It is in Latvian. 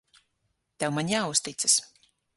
Tev man jāuzticas.